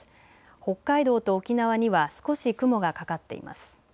北海道と沖縄には少し雲がかかっています。